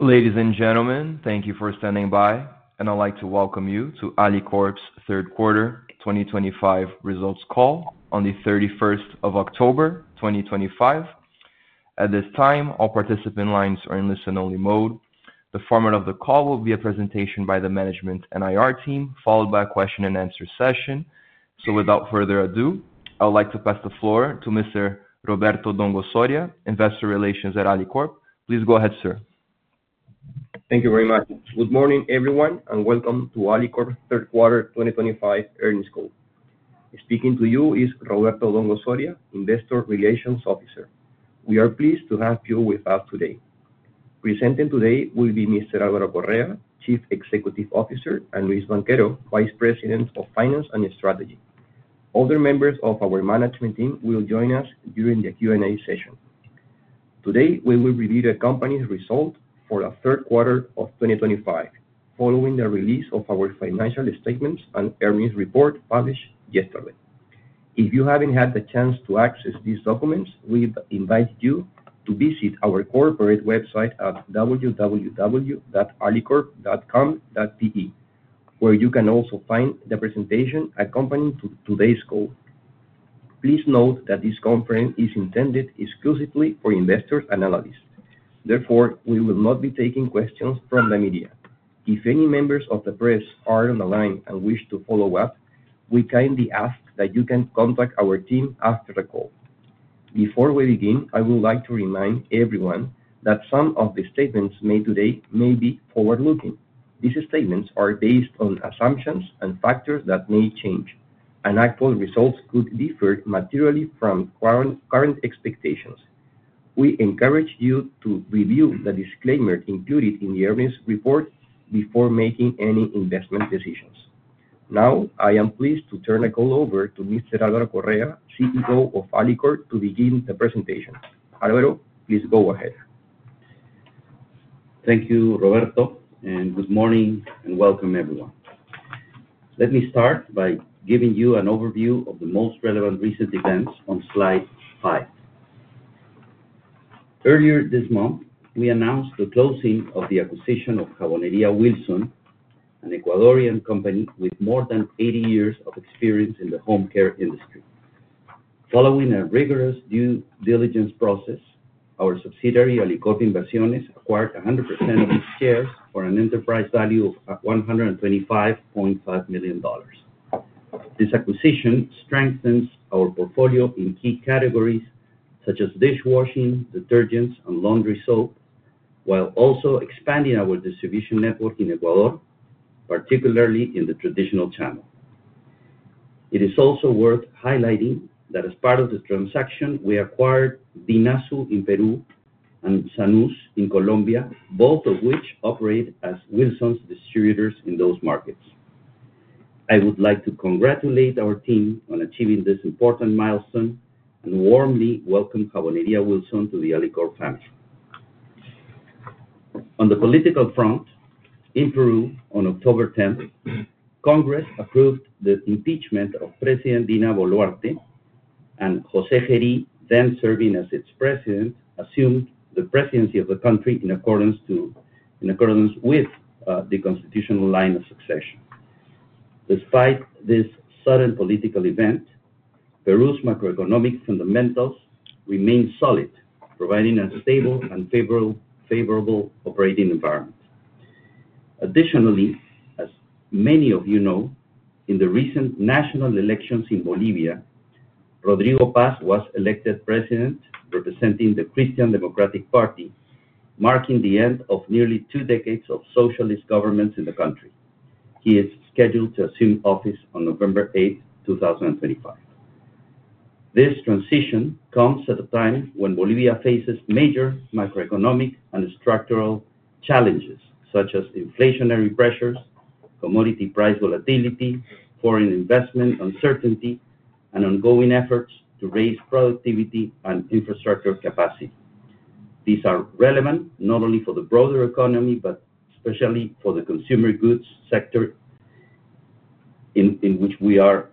Ladies and gentlemen, thank you for standing by, and I'd like to welcome you to Alicorp's Third Quarter 2025 Results Call on the 31st of October 2025. At this time, all participant lines are in listen-only mode. The format of the call will be a presentation by the management and IR team, followed by a question-and-answer session. Without further ado, I would like to pass the floor to Mr. Roberto Dongo-Soria, Investor Relations at Alicorp. Please go ahead, sir. Thank you very much. Good morning, everyone, and welcome to Alicorp's third quarter 2025 earnings call. Speaking to you is Roberto Dongo-Soria, Investor Relations Officer. We are pleased to have you with us today. Presenting today will be Mr. Álvaro Correa, Chief Executive Officer, and Luis Banquero, Vice President of Finance and Strategy. Other members of our management team will join us during the Q&A session. Today, we will review the company's results for the third quarter of 2025, following the release of our financial statements and earnings report published yesterday. If you haven't had the chance to access these documents, we invite you to visit our corporate website at www.alicorp.com.pe, where you can also find the presentation accompanying today's call. Please note that this conference is intended exclusively for investors' analysis. Therefore, we will not be taking questions from the media. If any members of the press are on the line and wish to follow up, we kindly ask that you contact our team after the call. Before we begin, I would like to remind everyone that some of the statements made today may be forward-looking. These statements are based on assumptions and factors that may change, and actual results could differ materially from current expectations. We encourage you to review the disclaimer included in the earnings report before making any investment decisions. Now, I am pleased to turn the call over to Mr. Álvaro Correa, CEO of Alicorp to begin the presentation. Álvaro, please go ahead. Thank you, Roberto, and good morning and welcome, everyone. Let me start by giving you an overview of the most relevant recent events on slide five. Earlier this month, we announced the closing of the acquisition of Cabonería Wilson, an Ecuadorian company with more than 80 years of experience in the home care industry. Following a rigorous due diligence process, our subsidiary, Alicorp Inversiones, acquired 100% of its shares for an enterprise value of $125.5 million. This acquisition strengthens our portfolio in key categories such as dishwashing, detergents, and laundry soap, while also expanding our distribution network in Ecuador, particularly in the traditional channel. It is also worth highlighting that as part of the transaction, we acquired Dinasu in Peru and Sanuz in Colombia, both of which operate as Wilson's distributors in those markets. I would like to congratulate our team on achieving this important milestone and warmly welcome Cabonería Wilson to the Alicorp family. On the political front, in Peru, on October 10, Congress approved the impeachment of President Dina Boluarte, and José Gerí, then serving as its president, assumed the presidency of the country in accordance with the constitutional line of succession. Despite this sudden political event, Peru's macroeconomic fundamentals remained solid, providing a stable and favorable operating environment. Additionally, as many of you know, in the recent national elections in Bolivia, Rodrigo Paz was elected president, representing the Christian Democratic Party, marking the end of nearly two decades of socialist governments in the country. He is scheduled to assume office on November 8, 2025. This transition comes at a time when Bolivia faces major macroeconomic and structural challenges, such as inflationary pressures, commodity price volatility, foreign investment uncertainty, and ongoing efforts to raise productivity and infrastructure capacity. These are relevant not only for the broader economy but especially for the consumer goods sector, in which we are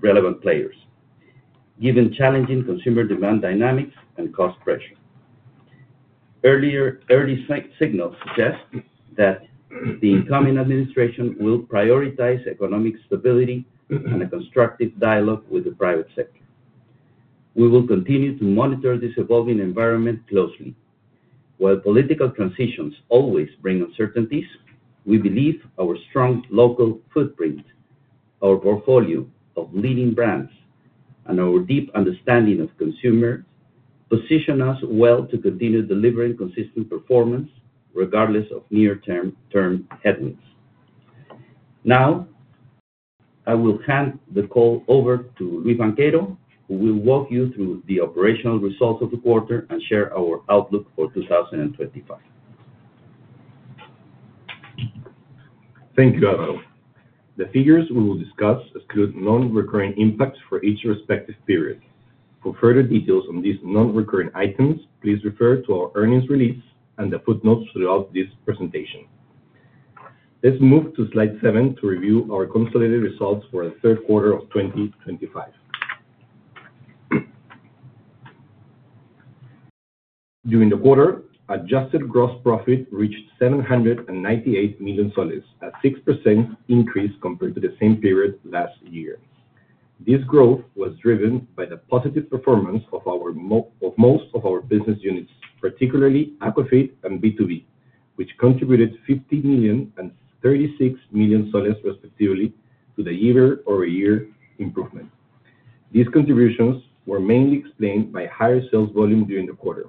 relevant players, given challenging consumer demand dynamics and cost pressure. Early signals suggest that the incoming administration will prioritize economic stability and a constructive dialogue with the private sector. We will continue to monitor this evolving environment closely. While political transitions always bring uncertainties, we believe our strong local footprint, our portfolio of leading brands, and our deep understanding of consumers position us well to continue delivering consistent performance regardless of near-term headwinds. Now I will hand the call over to Luis Banquero, who will walk you through the operational results of the quarter and share our outlook for 2025. Thank you, Álvaro. The figures we will discuss exclude non-recurring impacts for each respective period. For further details on these non-recurring items, please refer to our earnings release and the footnotes throughout this presentation. Let's move to slide seven to review our consolidated results for the third quarter of 2025. During the quarter, adjusted gross profit reached PEN 798 million, a 6% increase compared to the same period last year. This growth was driven by the positive performance of most of our business units, particularly ACOFiT and B2B, which contributed PEN 50 million and PEN 36 million respectively to the year-over-year improvement. These contributions were mainly explained by higher sales volume during the quarter,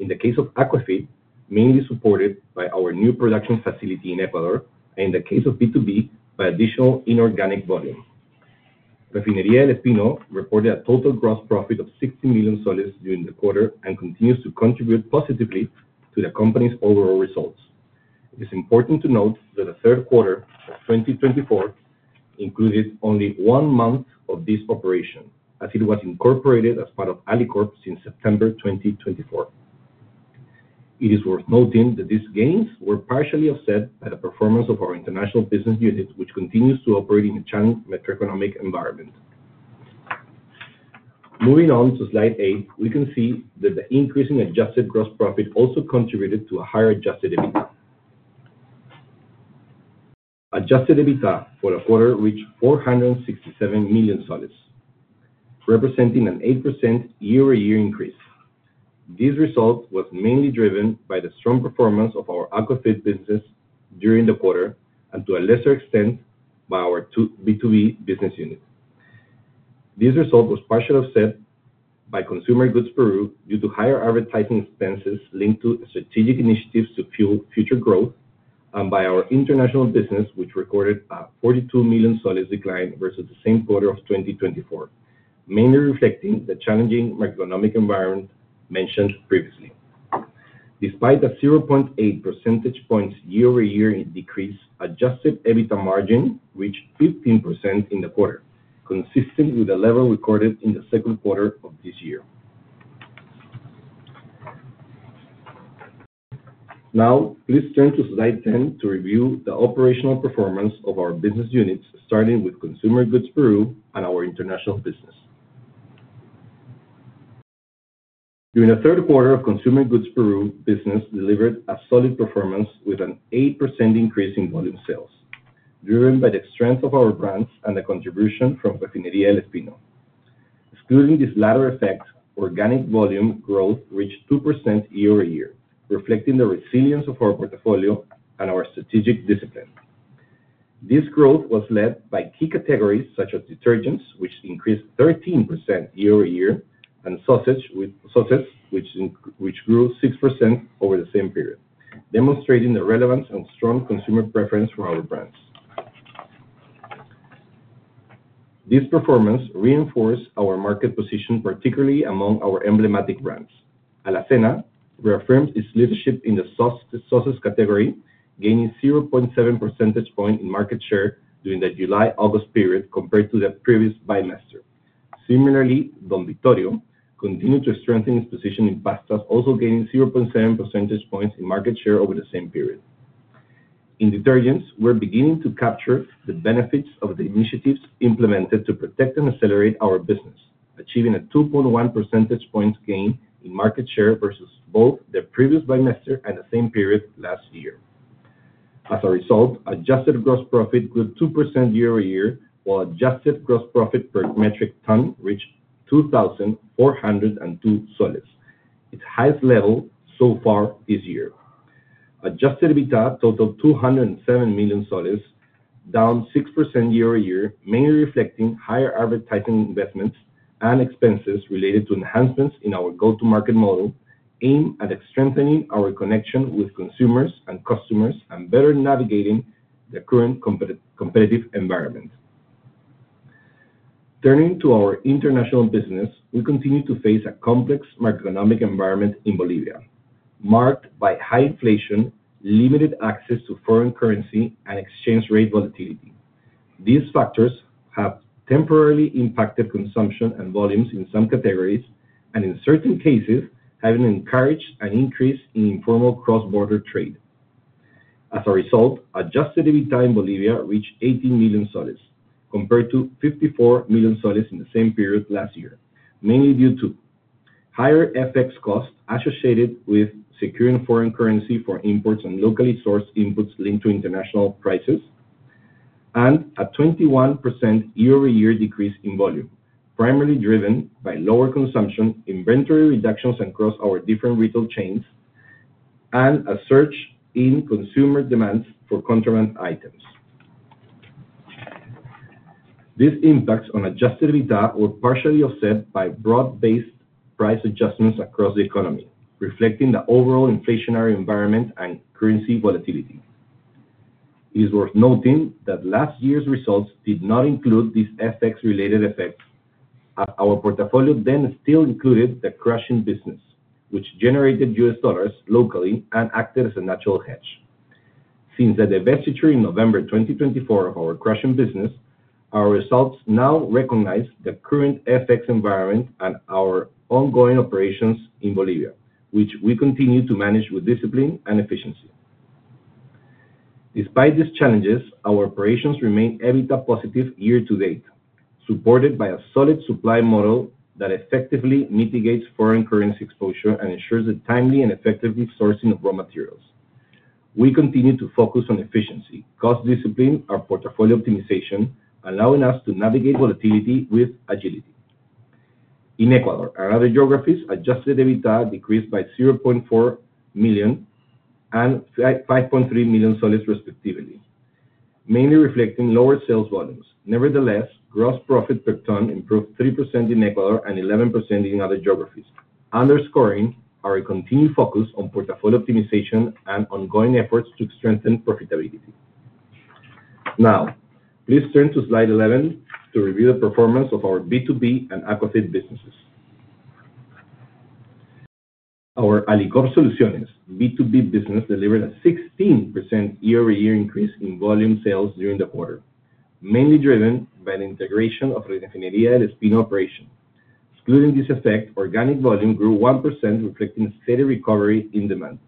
in the case of ACOFiT, mainly supported by our new production facility in Ecuador, and in the case of B2B, by additional inorganic volume. Refinería del Espino reported a total gross profit of $60 million during the quarter and continues to contribute positively to the company's overall results. It is important to note that the third quarter of 2024 included only one month of this operation, as it was incorporated as part of Alicorp since September 2024. It is worth noting that these gains were partially offset by the performance of our international business unit, which continues to operate in a challenged macroeconomic environment. Moving on to slide eight, we can see that the increase in adjusted gross profit also contributed to a higher adjusted EBITDA. Adjusted EBITDA for the quarter reached PEN 467 million, representing an 8% year-over-year increase. This result was mainly driven by the strong performance of our ACOFiT businesses during the quarter and, to a lesser extent, by our B2B business unit. This result was partially offset by Consumer Goods Peru due to higher advertising expenses linked to strategic initiatives to fuel future growth, and by our international business, which recorded a PEN 42 million decline versus the same quarter of 2024, mainly reflecting the challenging macroeconomic environment mentioned previously. Despite a 0.8 percentage points year-over-year decrease, adjusted EBITDA margin reached 15% in the quarter, consistent with the level recorded in the second quarter of this year. Now, please turn to slide 10 to review the operational performance of our business units, starting with Consumer Goods Peru and our international business. During the third quarter, Consumer Goods Peru business delivered a solid performance with an 8% increase in volume sales, driven by the strength of our brands and the contribution from Refinería del Espino. Excluding this latter effect, organic volume growth reached 2% year-over-year, reflecting the resilience of our portfolio and our strategic discipline. This growth was led by key categories such as detergents, which increased 13% year-over-year, and sausages, which grew 6% over the same period, demonstrating the relevance and strong consumer preference for our brands. This performance reinforced our market position, particularly among our emblematic brands. Alacena reaffirmed its leadership in the sausages category, gaining 0.7 percentage points in market share during the July-August period compared to the previous bimester. Similarly, Don Vittorio continued to strengthen its position in pastas, also gaining 0.7 percentage points in market share over the same period. In detergents, we're beginning to capture the benefits of the initiatives implemented to protect and accelerate our business, achieving a 2.1 percentage points gain in market share versus both the previous bimester and the same period last year. As a result, adjusted gross profit grew 2% year-over-year, while adjusted gross profit per metric ton reached PEN 2,402, its highest level so far this year. Adjusted EBITDA totaled PEN 207 million, down 6% year-over-year, mainly reflecting higher advertising investments and expenses related to enhancements in our go-to-market model aimed at strengthening our connection with consumers and customers and better navigating the current competitive environment. Turning to our international business, we continue to face a complex macroeconomic environment in Bolivia, marked by high inflation, limited access to foreign currency, and exchange rate volatility. These factors have temporarily impacted consumption and volumes in some categories and, in certain cases, have encouraged an increase in informal cross-border trade. As a result, adjusted EBITDA in Bolivia reached PEN 18 million, compared to PEN 54 million in the same period last year, mainly due to higher FX costs associated with securing foreign currency for imports and locally sourced inputs linked to international prices, and a 21% year-over-year decrease in volume, primarily driven by lower consumption, inventory reductions across our different retail chains. A surge in consumer demands for contraband items impacted adjusted EBITDA, partially offset by broad-based price adjustments across the economy, reflecting the overall inflationary environment and currency volatility. It is worth noting that last year's results did not include these FX-related effects, as our portfolio then still included the crushing business, which generated U.S. dollars locally and acted as a natural hedge. Since the divestiture in November 2024 of our crushing business, our results now recognize the current FX environment and our ongoing operations in Bolivia, which we continue to manage with discipline and efficiency. Despite these challenges, our operations remain EBITDA positive year-to-date, supported by a solid supply model that effectively mitigates foreign currency exposure and ensures the timely and effective resourcing of raw materials. We continue to focus on efficiency, cost discipline, and portfolio optimization, allowing us to navigate volatility with agility. In Ecuador and other geographies, adjusted EBITDA decreased by PEN 0.4 million and PEN 5.3 million respectively, mainly reflecting lower sales volumes. Nevertheless, gross profit per ton improved 3% in Ecuador and 11% in other geographies, underscoring our continued focus on portfolio optimization and ongoing efforts to strengthen profitability. Now, please turn to slide 11 to review the performance of our B2B and ACOFiT businesses. Our Alicorp Soluciones B2B business delivered a 16% year-over-year increase in volume sales during the quarter, mainly driven by the integration of Refinería del operation. Excluding this effect, organic volume grew 1%, reflecting a steady recovery in demand.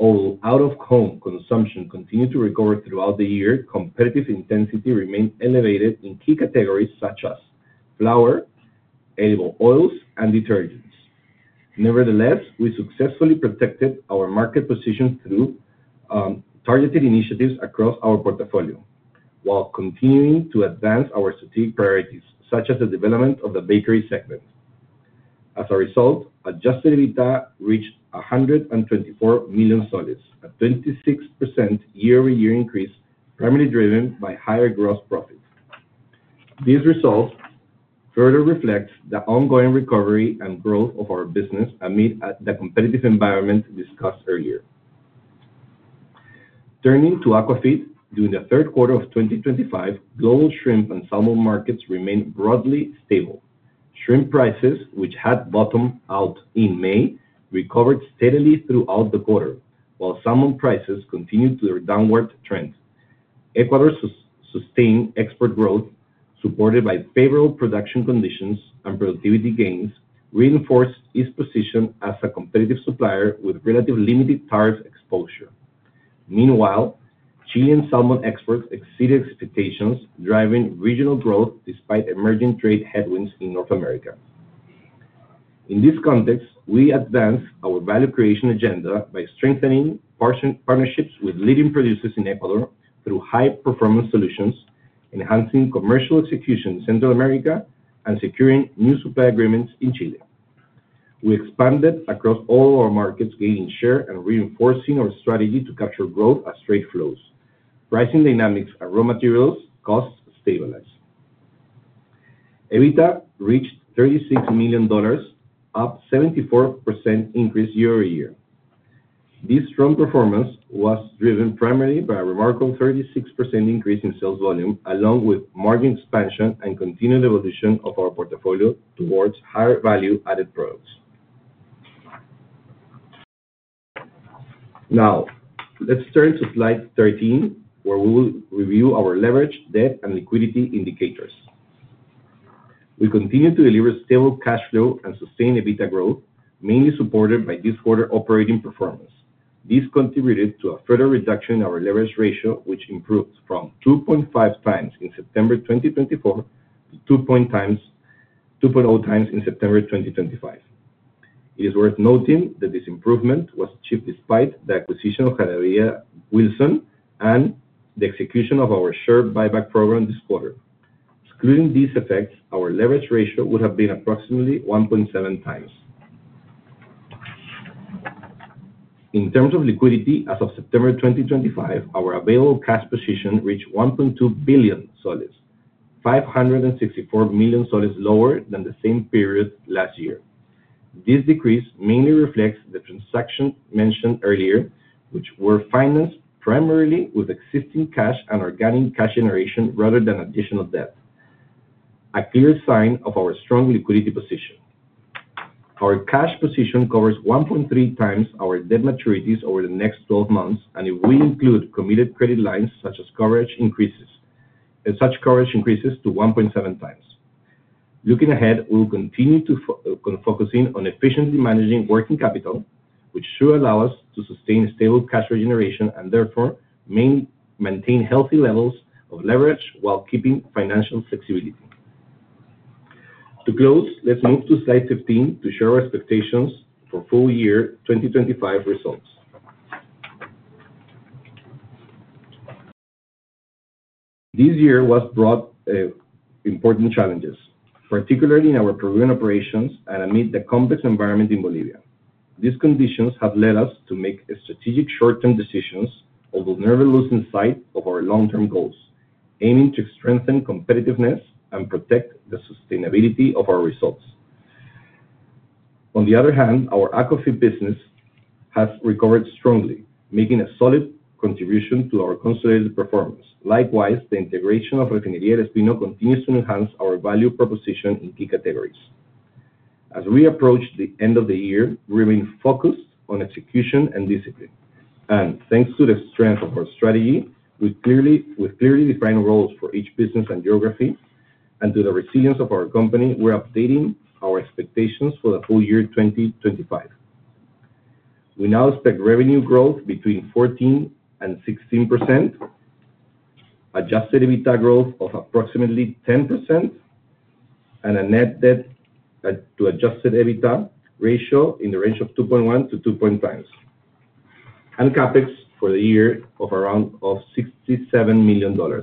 Although out-of-home consumption continued to recover throughout the year, competitive intensity remained elevated in key categories such as flour, edible oils, and detergents. Nevertheless, we successfully protected our market position through targeted initiatives across our portfolio, while continuing to advance our strategic priorities, such as the development of the bakery segment. As a result, adjusted EBITDA reached PEN 124 million, a 26% year-over-year increase, primarily driven by higher gross profit. These results further reflect the ongoing recovery and growth of our business amid the competitive environment discussed earlier. Turning to ACOFiT, during the third quarter of 2025, global shrimp and salmon markets remained broadly stable. Shrimp prices, which had bottomed out in May, recovered steadily throughout the quarter, while salmon prices continued their downward trend. Ecuador's sustained export growth, supported by favorable production conditions and productivity gains, reinforced its position as a competitive supplier with relatively limited tariff exposure. Meanwhile, Chilean salmon exports exceeded expectations, driving regional growth despite emerging trade headwinds in North America. In this context, we advanced our value creation agenda by strengthening partnerships with leading producers in Ecuador through high-performance solutions, enhancing commercial execution in Central America, and securing new supply agreements in Chile. We expanded across all our markets, gaining share and reinforcing our strategy to capture growth as trade flows. Pricing dynamics and raw materials costs stabilized. EBITDA reached $36 million, up 74% year-over-year. This strong performance was driven primarily by a remarkable 36% increase in sales volume, along with margin expansion and continued evolution of our portfolio towards higher value-added products. Now, let's turn to slide 13, where we will review our leverage, debt, and liquidity indicators. We continue to deliver stable cash flow and sustained EBITDA growth, mainly supported by this quarter's operating performance. This contributed to a further reduction in our leverage ratio, which improved from 2.5x in September 2024 to 2.0x in September 2025. It is worth noting that this improvement was achieved despite the acquisition of Cabonería Wilson and the execution of our share buyback program this quarter. Excluding these effects, our leverage ratio would have been approximately 1.7x. In terms of liquidity, as of September 2025, our available cash position reached PEN 1.2 billion, PEN 564 million lower than the same period last year. This decrease mainly reflects the transactions mentioned earlier, which were financed primarily with existing cash and organic cash generation rather than additional debt. A clear sign of our strong liquidity position. Our cash position covers 1.3x our debt maturities over the next 12 months, and it will include committed credit lines as coverage increases. Such coverage increases to 1.7x. Looking ahead, we will continue to focus on efficiently managing working capital, which should allow us to sustain stable cash regeneration and therefore maintain healthy levels of leverage while keeping financial flexibility. To close, let's move to slide 15 to share our expectations for full-year 2025 results. This year brought important challenges, particularly in our Peruvian operations and amid the complex environment in Bolivia. These conditions have led us to make strategic short-term decisions, although never losing sight of our long-term goals, aiming to strengthen competitiveness and protect the sustainability of our results. On the other hand, our ACOFiT business has recovered strongly, making a solid contribution to our consolidated performance. Likewise, the integration of Refinería del Espino continues to enhance our value proposition in key categories. As we approach the end of the year, we remain focused on execution and discipline. Thanks to the strength of our strategy, with clearly defined roles for each business and geography, and to the resilience of our company, we're updating our expectations for the full year 2025. We now expect revenue growth between 14% and 16%, adjusted EBITDA growth of approximately 10%, and a net debt to adjusted EBITDA ratio in the range of 2.1x to 2.0x, and capex for the year of around $67 million.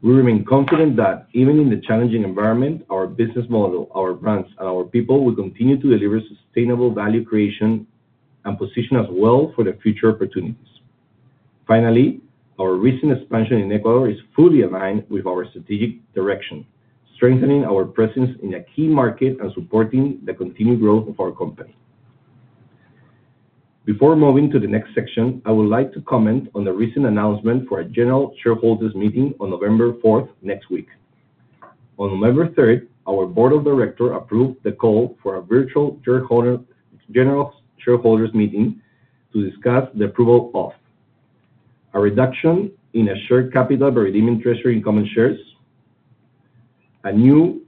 We remain confident that even in the challenging environment, our business model, our brands, and our people will continue to deliver sustainable value creation and position us well for future opportunities. Finally, our recent expansion in Ecuador is fully aligned with our strategic direction, strengthening our presence in a key market and supporting the continued growth of our company. Before moving to the next section, I would like to comment on the recent announcement for a general shareholders meeting on November 4 next week. On November 3, our Board of Directors approved the call for a virtual general shareholders meeting to discuss the approval of a reduction in share capital by redeeming treasury and common shares, a new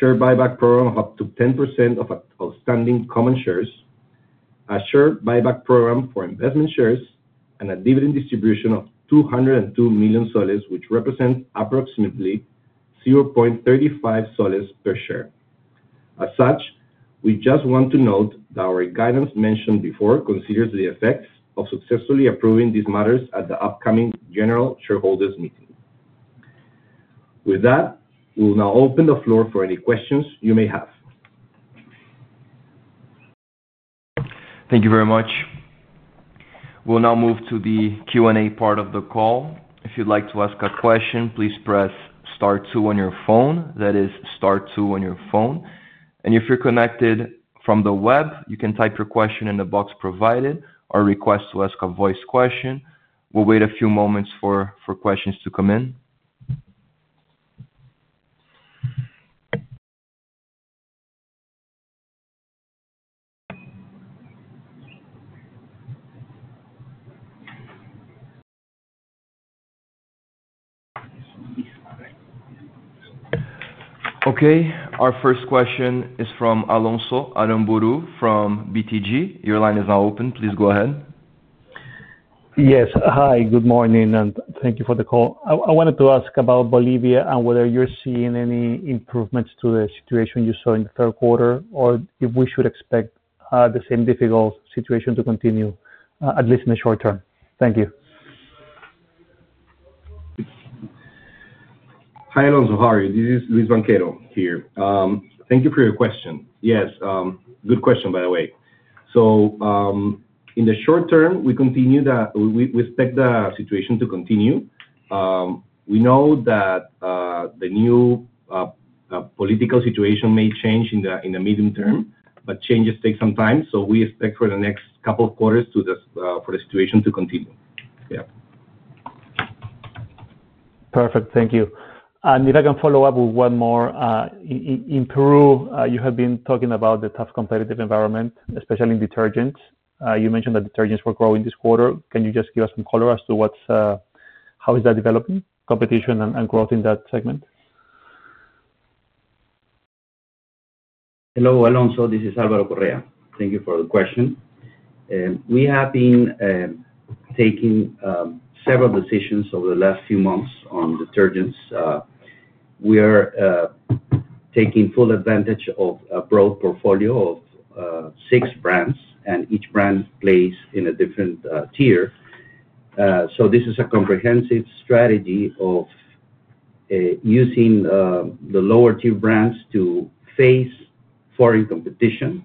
share buyback program of up to 10% of outstanding common shares, a share buyback program for investment shares, and a dividend distribution of PEN 202 million, which represents approximately PEN 0.35 per share. As such, we just want to note that our guidance mentioned before considers the effects of successfully approving these matters at the upcoming general shareholders meeting. With that, we'll now open the floor for any questions you may have. Thank you very much. We'll now move to the Q&A part of the call. If you'd like to ask a question, please press Star 2 on your phone. That is Star 2 on your phone. If you're connected from the web, you can type your question in the box provided or request to ask a voice question. We'll wait a few moments for questions to come in. Okay. Our first question is from Alonso Aramburú from BTG. Your line is now open. Please go ahead. Yes. Hi. Good morning. Thank you for the call. I wanted to ask about Bolivia and whether you're seeing any improvements to the situation you saw in the third quarter or if we should expect the same difficult situation to continue, at least in the short term. Thank you. Hi, Alonso. How are you? This is Luis Banquero here. Thank you for your question. Yes. Good question, by the way. In the short term, we expect the situation to continue. We know that the new political situation may change in the medium term, but changes take some time. We expect for the next couple of quarters for the situation to continue. Yeah. Perfect. Thank you. If I can follow up with one more. In Peru, you have been talking about the tough competitive environment, especially in detergents. You mentioned that detergents were growing this quarter. Can you just give us some color as to how is that developing, competition, and growth in that segment? Hello, Alonso. This is Álvaro Correa. Thank you for the question. We have been taking several decisions over the last few months on detergents. We are taking full advantage of a broad portfolio of six brands, and each brand plays in a different tier. This is a comprehensive strategy of using the lower-tier brands to face foreign competition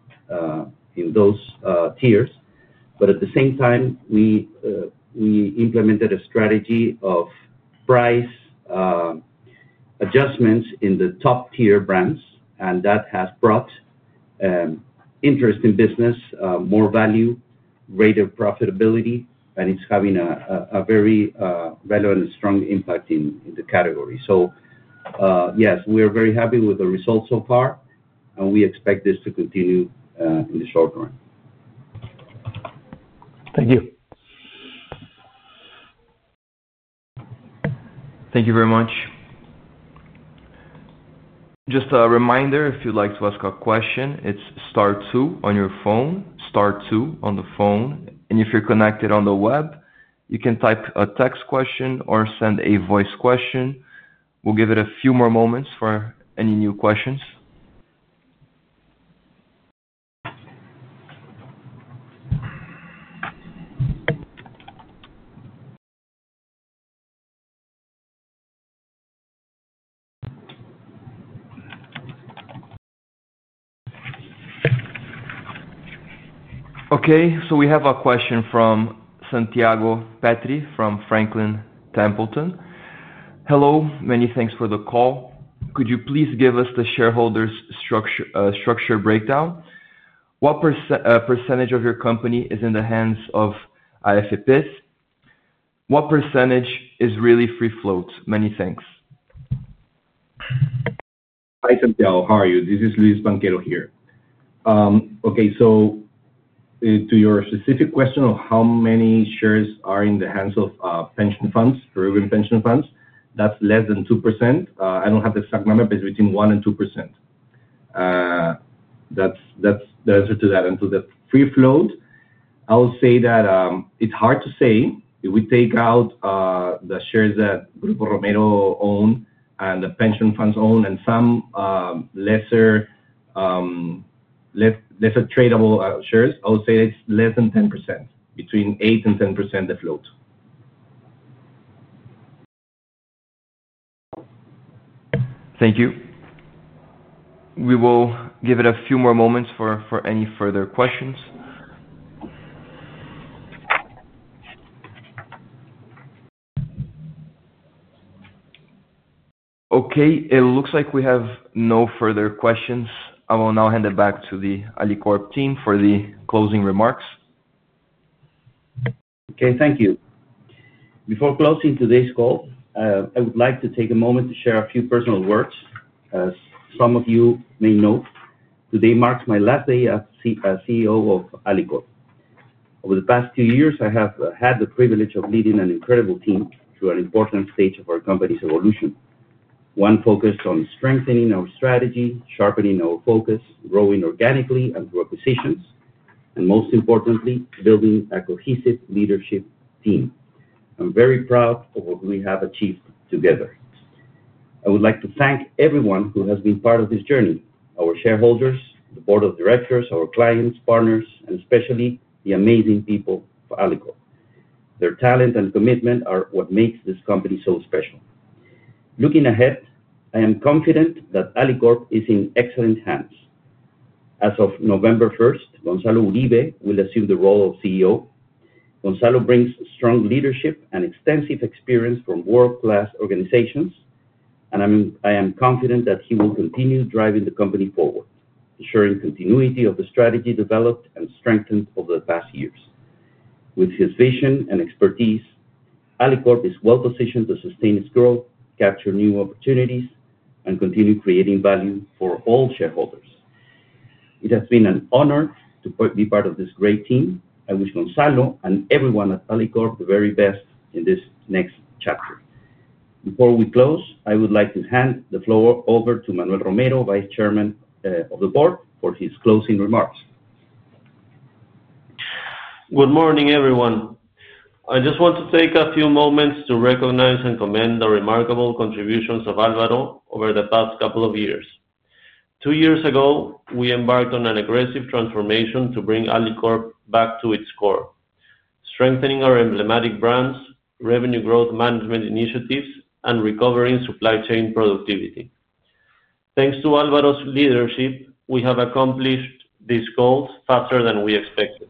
in those tiers. At the same time, we implemented a strategy of price adjustments in the top-tier brands, and that has brought interest in business, more value, greater profitability, and it's having a very relevant and strong impact in the category. Yes, we are very happy with the results so far, and we expect this to continue in the short term. Thank you. Thank you very much. Just a reminder, if you'd like to ask a question, it's Star 2 on your phone, Star 2 on the phone. If you're connected on the web, you can type a text question or send a voice question. We'll give it a few more moments for any new questions. Okay. We have a question from Santiago Petri from Franklin Templeton. Hello. Many thanks for the call. Could you please give us the shareholders' structure breakdown? What percentage of your company is in the hands of IFEPs? What percentage is really free float? Many thanks. Hi, Santiago. How are you? This is Luis Banquero here. To your specific question of how many shares are in the hands of Peruvian pension funds, that's less than 2%. I don't have the exact number, but it's between 1% and 2%. That's the answer to that. To the free float, I'll say that it's hard to say. If we take out the shares that Grupo Romero owns and the pension funds own and some less tradable shares, I would say it's less than 10%, between 8% and 10% the float. Thank you. We will give it a few more moments for any further questions. Okay. It looks like we have no further questions. I will now hand it back to the Alicorp team for the closing remarks. Thank you. Before closing today's call, I would like to take a moment to share a few personal words. As some of you may know, today marks my last day as CEO of Alicorp. Over the past two years, I have had the privilege of leading an incredible team through an important stage of our company's evolution, one focused on strengthening our strategy, sharpening our focus, growing organically and through acquisitions, and most importantly, building a cohesive leadership team. I'm very proud of what we have achieved together. I would like to thank everyone who has been part of this journey. Our shareholders, the Board of Directors, our clients, partners, and especially the amazing people of Alicorp. Their talent and commitment are what makes this company so special. Looking ahead, I am confident that Alicorp is in excellent hands. As of November 1, Gonzalo Uribe will assume the role of CEO. Gonzalo brings strong leadership and extensive experience from world-class organizations, and I am confident that he will continue driving the company forward, ensuring continuity of the strategy developed and strengthened over the past years. With his vision and expertise, Alicorp is well-positioned to sustain its growth, capture new opportunities, and continue creating value for all shareholders. It has been an honor to be part of this great team. I wish Gonzalo and everyone at Alicorp the very best in this next chapter. Before we close, I would like to hand the floor over to Manuel Romero, Vice Chairman of the Board, for his closing remarks. Good morning, everyone. I just want to take a few moments to recognize and commend the remarkable contributions of Álvaro over the past couple of years. Two years ago, we embarked on an aggressive transformation to bring Alicorp back to its core, strengthening our emblematic brands, revenue growth management initiatives, and recovering supply chain productivity. Thanks to Álvaro's leadership, we have accomplished these goals faster than we expected.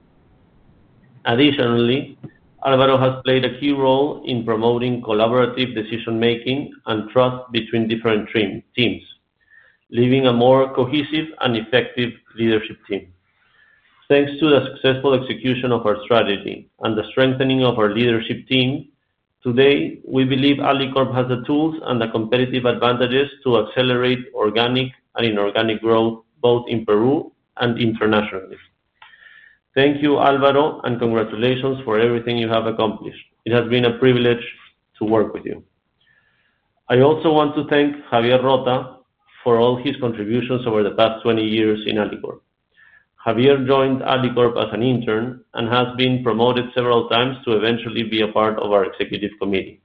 Additionally, Álvaro has played a key role in promoting collaborative decision-making and trust between different teams, leaving a more cohesive and effective leadership team. Thanks to the successful execution of our strategy and the strengthening of our leadership team, today, we believe Alicorp has the tools and the competitive advantages to accelerate organic and inorganic growth both in Peru and internationally. Thank you, Álvaro, and congratulations for everything you have accomplished. It has been a privilege to work with you. I also want to thank Javier Rota for all his contributions over the past 20 years in Alicorp. Javier joined Alicorp as an intern and has been promoted several times to eventually be a part of our executive committee.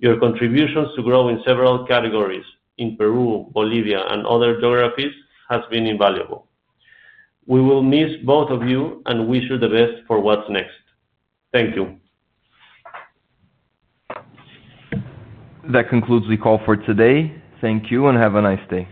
Your contributions to grow in several categories in Peru, Bolivia, and other geographies have been invaluable. We will miss both of you and wish you the best for what's next. Thank you. That concludes the call for today. Thank you and have a nice day.